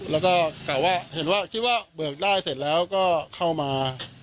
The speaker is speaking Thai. แล้วก็กล่าวว่าเห็นว่าคิดว่าเบิกได้เสร็จแล้วก็เข้ามา